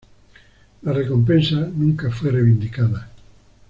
La recompensa nunca fue reivindicada.